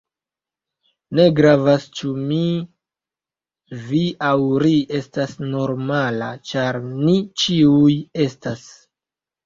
Ne gravas ĉu mi, vi aŭ ri estas nenormala, ĉar ni ĉiuj estas.